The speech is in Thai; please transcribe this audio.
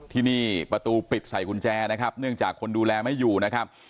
ที่นี่ประตูปิดใส่กุญแจนะครับเนื่องจากคนดูแลไม่อยู่นะครับ